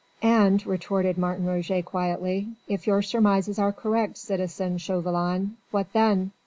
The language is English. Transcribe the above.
"And," retorted Martin Roget quietly, "if your surmises are correct, citizen Chauvelin, what then?"